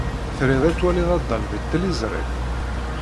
Trid ad twalid addal deg tliẓri?